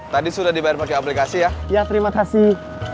tadi sudah dibayar pakai aplikasi ya ya terima kasih